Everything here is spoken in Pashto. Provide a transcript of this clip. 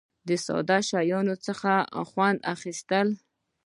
د ساده شیانو څخه خوند اخیستل.